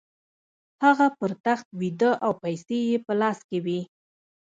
هغه پر تخت ویده او پیسې یې په لاس کې وې